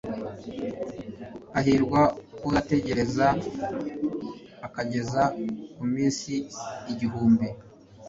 hahirwa uzategereza akageza ku minsi igihumbi